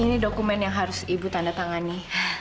ini dokumen yang harus ibu tanda tangani